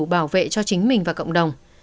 bảo vệ cho chính mình và cộng đồng